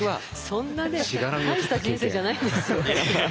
そんなね大した人生じゃないんですよ。